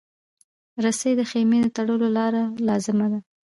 رسۍ د خېمې د تړلو لپاره لازمه ده.